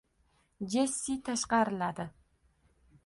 Jessi tashqariladi